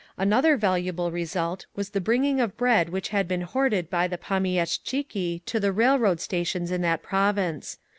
Another valuable result was the bringing of bread which had been hoarded by the pomieshtchiki to the railroad stations in that province.